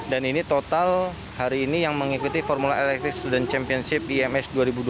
dan ini total hari ini yang mengikuti formula electric student championship ims dua ribu dua puluh dua